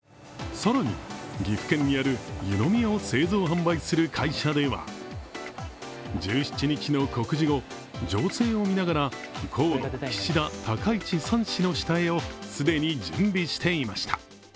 更に岐阜県にある湯飲みを製造・販売する会社では１７日の告示後、情勢を見ながら河野、岸田、高市、３氏の下絵を既に準備していました。